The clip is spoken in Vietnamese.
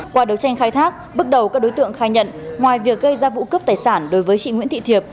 qua đấu tranh khai thác bước đầu các đối tượng khai nhận ngoài việc gây ra vụ cướp tài sản đối với chị nguyễn thị thiệp